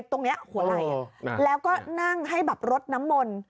ตรงนี้หัวไหล่แล้วก็นั่งให้แบบรดน้ำมนต์